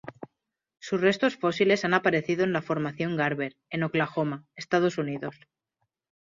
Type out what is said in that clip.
Sus restos fósiles han aparecido en la formación Garber, en Oklahoma, Estados Unidos.